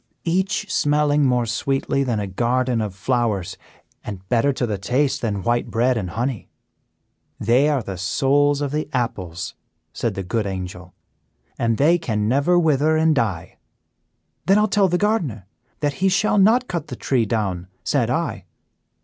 Each smelling more sweetly than a garden of flowers, and better to the taste than white bread and honey. "'They are souls of the apples,' said the good Angel,' and they can never wither and die.' "'Then I'll tell the gardener that he shall not cut the tree down,' said I."